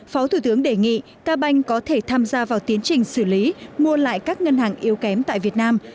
phó thủ tướng đề nghị k banh có thể tham gia vào tiến trình xử lý mua lại các ngân hàng yếu kém tại việt nam